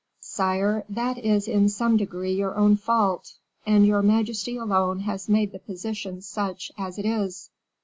"Sire, that is in some degree your own fault, and your majesty alone has made the position such as it is."